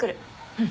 うん。